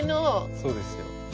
そうですよ。